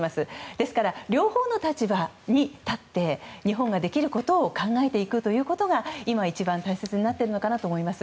ですから両方の立場に立って日本ができることを考えていくことが今、一番大切かと思います。